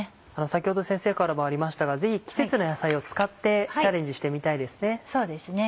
先ほど先生からもありましたがぜひ季節の野菜を使ってチャレンジしてみたいですね。